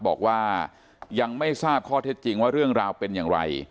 บอกว่ายังไม่ทราบข้อเท็จจริงว่าเรื่องราวเป็นอย่างไร